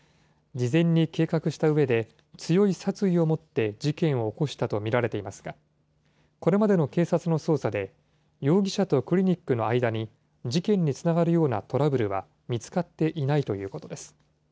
事前に計画したうえで、強い殺意を持って事件を起こしたと見られていますが、これまでの警察の捜査で容疑者とクリニックの間に事件につながるようなトラブルは見つかっていないということです。